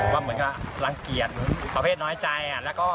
เหมือนกับรังเกียจประเภทน้อยใจ